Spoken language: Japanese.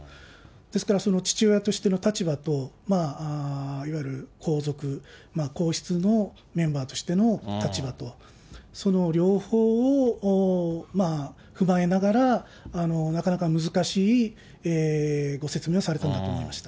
ですから父親としての立場と、いわゆる皇族、皇室のメンバーとしての立場と、その両方を踏まえながら、なかなか難しいご説明をされたんだと思いました。